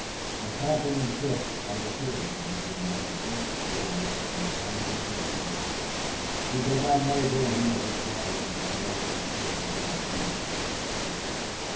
A tramping trip by the two of them had been one of Dick's joys from the time he could remember. He did not know then that his guardian had more than pleasure in view by these trips.